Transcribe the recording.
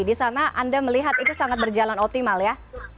di sana anda melihat itu sangat berjalan optimal ya